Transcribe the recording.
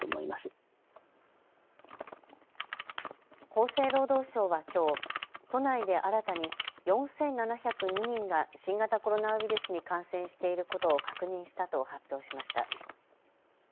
厚生労働省はきょう都内で新たに４７０２人が新型コロナウイルスに感染していることを確認したと発表しました。